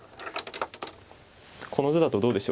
この図だとどうでしょう？